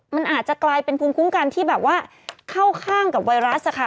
มันอาจจะกลายเป็นภูมิคุ้มกันที่แบบว่าเข้าข้างกับไวรัสค่ะ